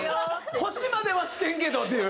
星までは付けへんけどっていう。